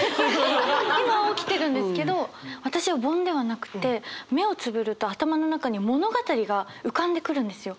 今は起きてるんですけど私は「凡」ではなくって目をつぶると頭の中に物語が浮かんでくるんですよ。